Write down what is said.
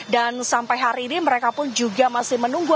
dan sampai hari ini mereka pun juga masih menunggu